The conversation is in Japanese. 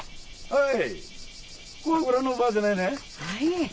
はい。